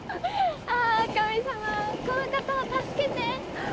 あ神様この方を助けて！